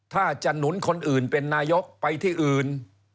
ถ้าจะหนุนคนอื่นเป็นนายกไปที่อื่น